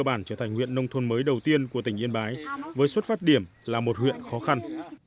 bản trở thành huyện nông thôn mới đầu tiên của tỉnh yên bái với xuất phát điểm là một huyện khó khăn